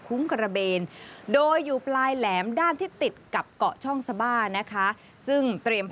คุ้งกระเบนโดยอยู่ปลายแหลม